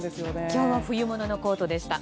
今日は冬物のコートでした。